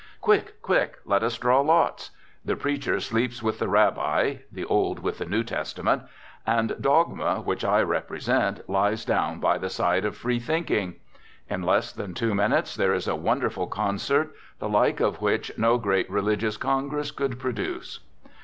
Quick, quick, let us draw lots: the preacher sleeps with the rabbi (the Old with the New Testament), and Dogma, which I represent, lies down by the side of free thinking. In less than two minutes, there is a wonderful concert, the like of which no great religious congress could produce."